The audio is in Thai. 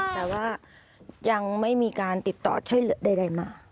แต่ว่ายังไม่มีการติดต่อช่วยเหลือใดมา